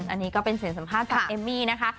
อันนี้ก็เป็นเสียงสัมภาษณ์จากเอมมี่นะคะ